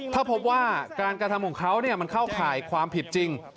ถ้าพบว่าการกระทำของเขามันเข้าข่ายความผิดจริง